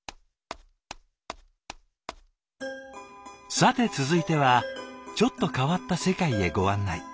さて続いてはちょっと変わった世界へご案内。